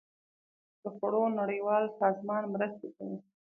د خوړو نړیوال سازمان مرستې کوي